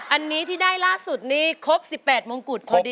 อันนี้ที่ได้ล่าสุดนี้ครบ๑๘มงกุฎพอดี